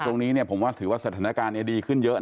ตรงนี้เนี่ยผมว่าถือว่าสถานการณ์เนี่ยดีขึ้นเยอะนะ